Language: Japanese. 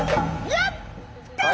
やった！